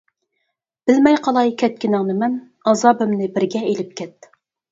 بىلمەي قالاي كەتكىنىڭنى مەن، ئازابىمنى بىرگە ئېلىپ كەت.